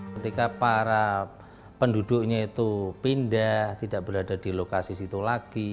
ketika para penduduknya itu pindah tidak berada di lokasi situ lagi